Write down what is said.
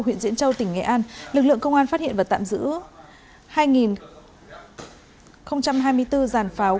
huyện diễn châu tỉnh nghệ an lực lượng công an phát hiện và tạm giữ hai hai mươi bốn giàn pháo